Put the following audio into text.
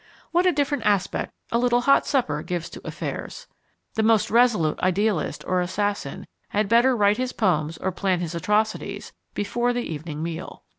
What a different aspect a little hot supper gives to affairs! The most resolute idealist or assassin had better write his poems or plan his atrocities before the evening meal.